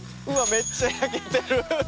めっちゃ焼けてる。